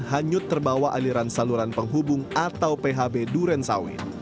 hanyut terbawa aliran saluran penghubung atau phb duren sawit